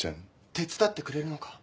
手伝ってくれるのか？